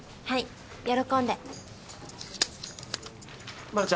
はい喜んで。